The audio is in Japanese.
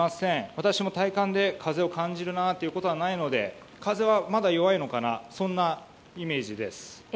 私も体感で、風を感じるなということはないので風はまだ弱いのかなそんなイメージです。